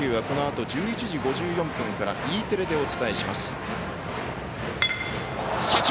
このあと１１時５４分からＥテレでお伝えします。